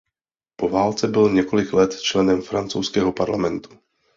Po válce byl několik let členem francouzského parlamentu.